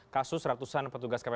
kasus ratusan petugas kpu